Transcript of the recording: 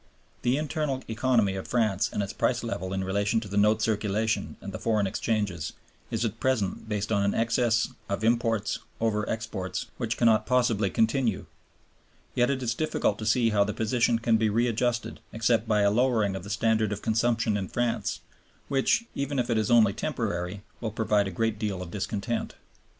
The internal economy of France and its price level in relation to the note circulation and the foreign exchanges is at present based on an excess of imports over exports which cannot possibly continue. Yet it is difficult to see how the position can be readjusted except by a lowering of the standard of consumption in France, which, even if it is only temporary, will provoke a great deal of discontent.